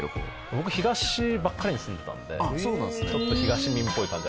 僕東ばっかりに住んでたんでちょっと東民っぽい感じありますよね。